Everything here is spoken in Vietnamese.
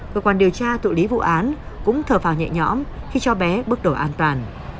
cơ quan điều tra tự lý vụ án cũng thở vào nhẹ nhõm khi cho bé bước đổi an toàn